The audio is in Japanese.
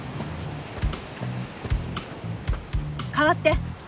代わって！